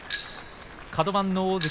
カド番の大関